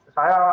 tentu saja awal